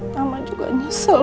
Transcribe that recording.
sama juga nyesel